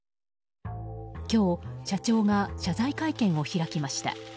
今日、社長が謝罪会見を開きました。